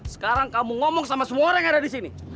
sekarang kamu ngomong sama semua orang yang ada di sini